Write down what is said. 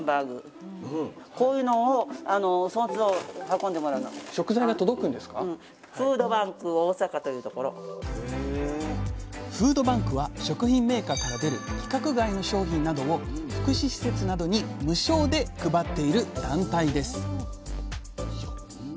学校の冷凍庫をのぞくとフードバンクは食品メーカーから出る規格外の商品などを福祉施設などに無償で配っている団体です